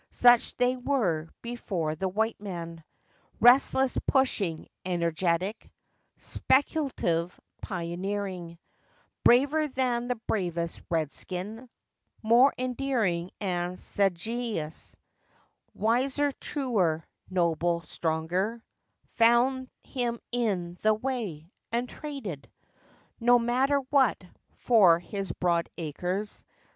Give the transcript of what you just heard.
Such they were before the white man— Restless, pushing, energetic, Speculative, pioneering; Braver than the bravest "redskin;" More enduring and sagacious; Wiser, truer, nobler, stronger— Found him in the way, and traded— No matter what—for his broad acres.